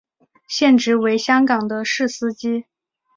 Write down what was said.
现职为香港的士司机。